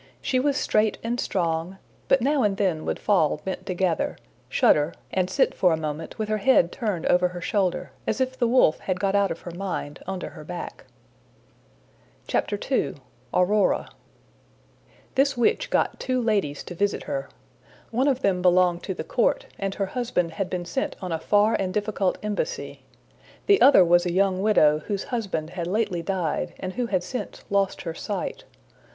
She was straight and strong, but now and then would fall bent together, shudder, and sit for a moment with her head turned over her shoulder, as if the wolf had got out of her mind onto her back. II. Aurora THIS witch got two ladies to visit her. One of them belonged to the court, and her husband had been sent on a far and difficult embassy. The other was a young widow whose husband had lately died, and who had since lost her sight.